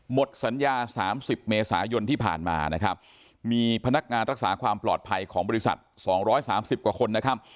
หมดสัญญา๓๐เมษายนที่ผ่านมานะครับมีพนักงานรักษาความปลอดภัยของบริษัท๒๓๐กว่าคนนะครับ